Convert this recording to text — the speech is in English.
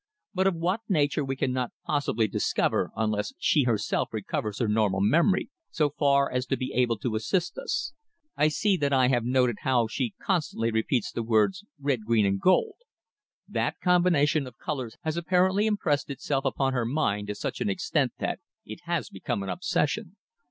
But of what nature we cannot possibly discover unless she herself recovers her normal memory so far as to be able to assist us. I see that I have noted how she constantly repeats the words 'red, green and gold.' That combination of colours has apparently impressed itself upon her mind to such an extent that it has become an obsession.